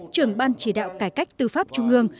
trưởng ban chỉ đạo cải cách tư pháp trung ương